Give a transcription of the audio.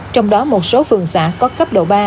trong đó một số phường xã có cấp độ ba